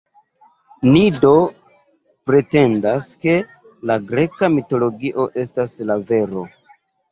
Ni do pretendas, ke la greka mitologio estas la vero.